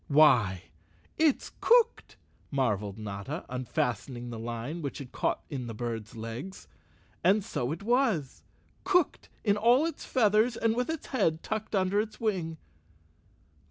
"Why, it's cooked!" marveled Notta, unfastening the line which had caught in the bird's legs. And so it was—cooked in all its feathers with its head tucked under its wing.